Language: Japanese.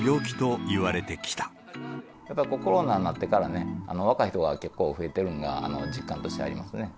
やっぱコロナになってから、若い人が結構増えているのが実感としてありますね。